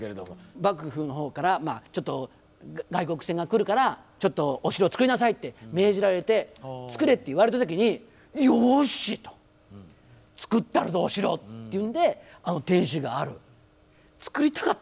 幕府の方からまあちょっと外国船が来るからちょっとお城造りなさいって命じられて「造れ」って言われた時にっていうんであの天守がある。